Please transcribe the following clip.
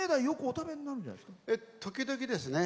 時々ですね。